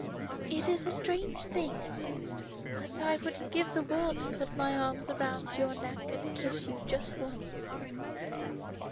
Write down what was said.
"It is a strange thing, but I would give the world to put my arms round your neck and kiss you just once."